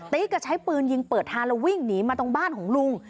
ใช้ปืนยิงเปิดทางแล้ววิ่งหนีมาตรงบ้านของลุง